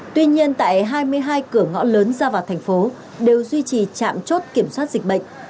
tuy nhiên tại hai mươi hai cửa ngõ lớn ra vào thành phố đều duy trì trạm chốt kiểm soát dịch bệnh